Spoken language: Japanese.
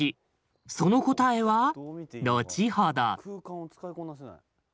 その答えは後ほど。